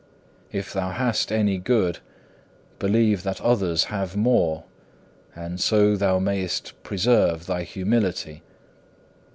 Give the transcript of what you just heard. If thou hast any good, believe that others have more, and so thou mayest preserve thy humility.